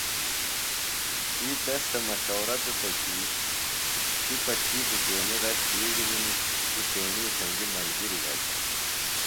کی تس تھےۡ مشورہ دِتو کی تی پہ تھی دُکینیۡ رش بِیڈیۡ ہِنیۡ تُوۡ تیݨی سنگیۡ ملگِریۡ گھشہ